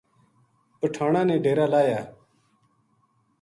پٹھاناں نے ڈیرا لاہیا